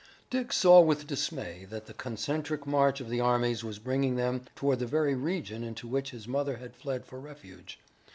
Dick saw with dismay that the concentric march of the armies was bringing them toward the very region into which his mother had fled for refuge.